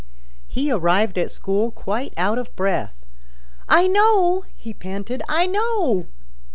He arrived at school quite out of breath. "I know!" he panted. "I know!"